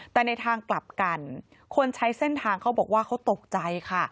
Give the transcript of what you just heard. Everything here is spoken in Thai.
แต่ในทางกลับกันคนใช้เส้นทางเขาบอกว่าเขาตกใจค่ะ